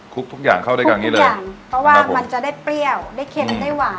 ทุกอย่างเข้าด้วยกันอย่างนี้เลยค่ะเพราะว่ามันจะได้เปรี้ยวได้เค็มได้หวาน